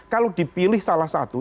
kalau dipilih salah satu